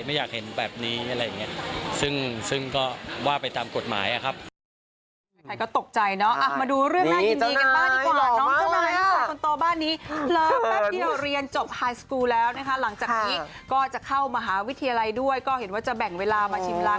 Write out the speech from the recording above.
ไม่อยากเห็นแบบนี้อะไรอย่างเงี้ยซึ่งซึ่งก็ว่าไปตามกฎหมายอะครับ